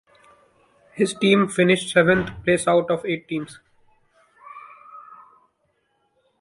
His team finished seventh place out of eight teams.